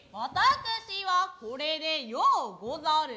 私はこれでようござる。